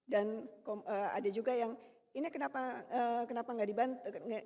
dan ada juga yang ini kenapa gak diberikan